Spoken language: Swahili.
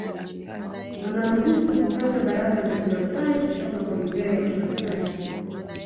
Wanaharusi hupata baraka za Kimasai kutoka kwa mzee wa Kimasai